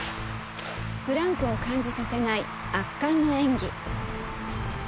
ブランクを感じさせない圧巻の演技。